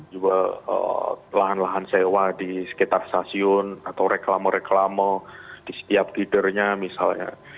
jual lahan lahan sewa di sekitar stasiun atau reklama reklama di setiap deadernya misalnya